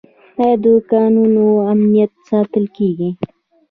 آیا د کانونو امنیت ساتل کیږي؟